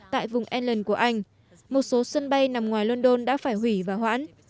tại vùng england của anh một số sân bay nằm ngoài london đã phải hủy và hoãn